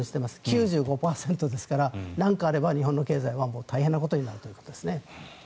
９５％ですから何かあれば日本の経済は大変なことになると思います。